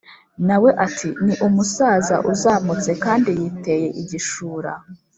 na we ati “ni umusaza uzamutse kandi yiteye igishura”